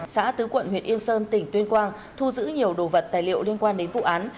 xã tứ quận huyện yên sơn tỉnh tuyên quang thu giữ nhiều đồ vật tài liệu liên quan đến vụ án